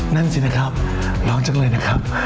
นั่นสินะครับร้อนจังเลยนะครับ